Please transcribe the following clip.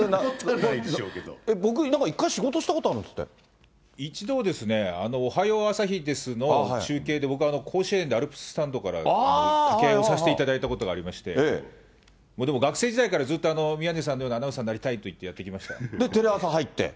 僕、なんか１回、一度ですね、おはよう朝日ですの中継で、僕、甲子園のアルプススタンドから掛け合いをさせていただいたことがありまして、もうでも、学生時代からずっと宮根さんみたいなアナウンサーになりたいってで、テレ朝入って？